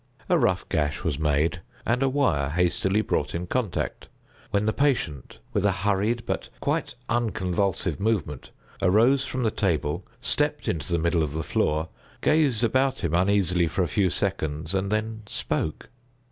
A rough gash was made, and a wire hastily brought in contact, when the patient, with a hurried but quite unconvulsive movement, arose from the table, stepped into the middle of the floor, gazed about him uneasily for a few seconds, and then—spoke.